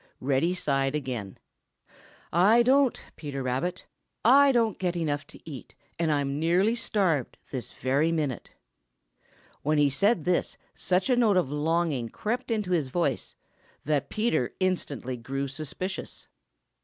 Reddy sighed again. "I don't, Peter Rabbit. I don't get enough to eat, and I'm nearly starved this very minute." When he said this such a note of longing crept into his voice that Peter instantly grew suspicious.